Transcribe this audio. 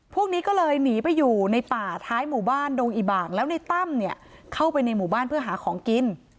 พวกนี้ก็เลยหนีไปอยู่ในป่าท้ายหมู่บ้านดงอีบ่างแล้วในตั้มเนี่ยเข้าไปในหมู่บ้านเพื่อหาของกิน